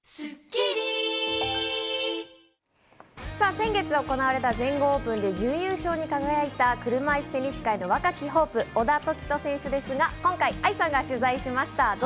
先月行われた全豪オープンで準優勝に輝いた車いすテニス界の若きホープ・小田凱人選手ですが、今回、愛さんが取材しました。